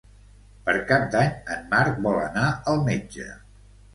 Per Cap d'Any en Marc vol anar al metge.